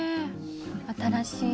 「新しい」